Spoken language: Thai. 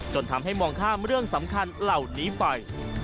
จนทำให้มองข้ามเรื่องสำคัญเหล่านี้ไป